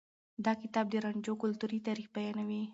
دا کتاب د رانجو کلتوري تاريخ بيانوي.